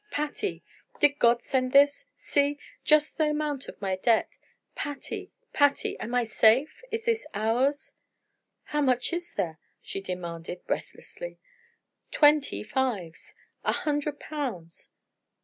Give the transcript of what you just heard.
Patty! Did God send this? See! Just the amount of my debt! Patty! Patty! am I safe? Is this ours?" "How much is there?" she demanded, breathlessly. "Twenty fives! A hundred pounds!"